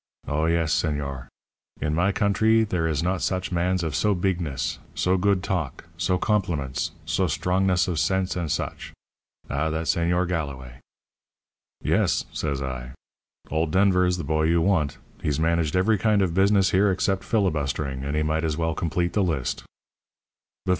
Oh, yes, señor. In my countree there is not such mans of so beegness, so good talk, so compliments, so strongness of sense and such. Ah, that Señor Galloway!' "'Yes,' says I, 'old Denver is the boy you want. He's managed every kind of business here except filibustering, and he might as well complete the list.'